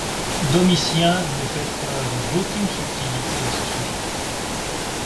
Domitien ne fait preuve d'aucune subtilité à ce sujet.